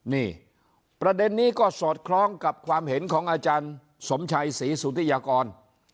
นี่ประเด็นนี้ก็สอดคล้องกับความเห็นของอาจารย์สมชัยศรีสุธิยากร